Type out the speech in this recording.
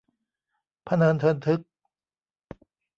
พะเนินเทินทึก